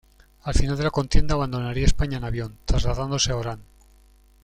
Al final de la contienda abandonaría España en avión, trasladándose a Orán.